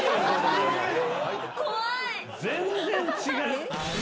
全然違う。